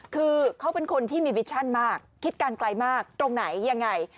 คือเขาเป็นคนที่มีวิชชั่นมากคิดการไกลมากตรงไหนยังไง